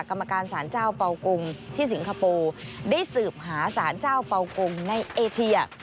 กรรมการสารเจ้าเป่ากงที่สิงคโปร์ได้สืบหาสารเจ้าเป่ากงในเอเชีย